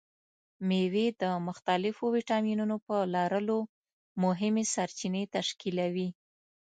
مېوې د مختلفو ویټامینونو په لرلو مهمې سرچینې تشکیلوي.